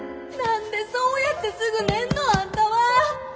何でそうやってすぐ寝んのあんたは！